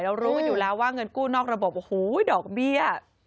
รู้กันอยู่แล้วว่าเงินกู้นอกระบบโอ้โหดอกเบี้ย